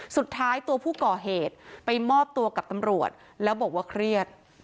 สุดท้ายตัวผู้ก่อเหตุไปมอบตัวกับตำรวจแล้วบอกว่าเครียด